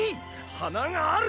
はながある！